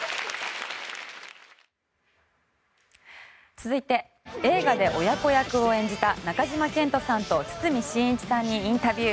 続いて、映画で親子役を演じた中島健人さんと堤真一さんにインタビュー。